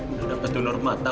udah dapet donor mata